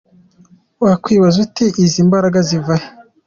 Wakwibaza uti: ‘Izi mbaraga ziva he’? .